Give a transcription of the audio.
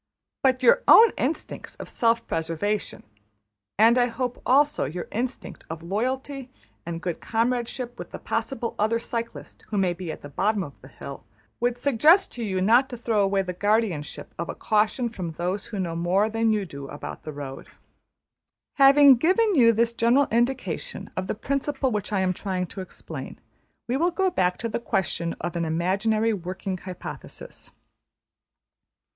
But your own instincts of self preservation, and I hope also your instinct of loyalty and good comradeship with the possible other cyclist who may be at the bottom of the hill, would suggest to you not to throw away the guardianship of a caution from those who know more than you do about the road. Having given you this general indication of the principle which I am trying to explain, we will go back to the question of an imaginary working hypothesis.